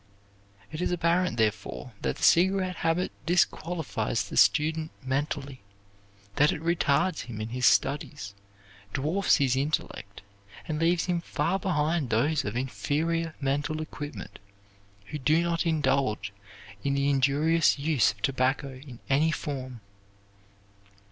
It is apparent therefore that the cigarette habit disqualifies the student mentally, that it retards him in his studies, dwarfs his intellect, and leaves him far behind those of inferior mental equipment who do not indulge in the injurious use of tobacco in any form.